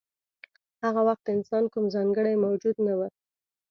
هغه وخت انسان کوم ځانګړی موجود نه و.